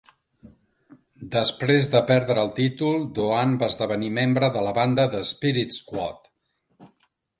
Després de perdre el títol, Doane va esdevenir membre de la banda The Spirit Squad.